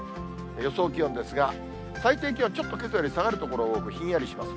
予想気温ですが、最低気温、ちょっとけさより下がる所が多く、ひんやりします。